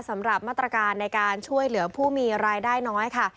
สำหรับมาตรการในการช่วยเหลือผู้มีรายได้น้อยค่ะ